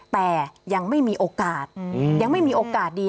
แต่ยังไม่มีโอกาสยังไม่มีโอกาสดี